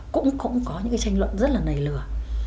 cũng có những tranh luận rất là nảy lửa